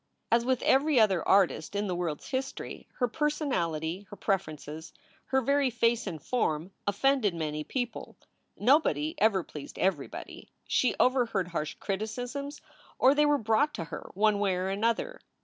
As with every other artist in the world s history, her per sonality, her preferences, her very face and form, offended many people. Nobody ever pleased everybody. She over heard harsh criticisms or they were brought to her one way or another.